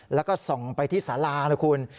แล้วก็ส่องไปที่สารานะคุณ